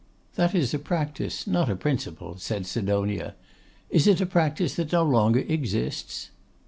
'That is a practice, not a principle,' said Sidonia. 'Is it a practice that no longer exists?